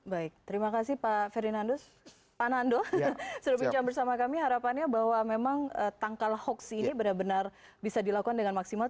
baik terima kasih pak nando sudah berbincang bersama kami harapannya bahwa memang tangkal hoax ini benar benar bisa dilakukan dengan maksimal